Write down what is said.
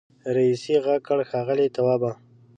رئيسې غږ کړ ښاغلی توابه.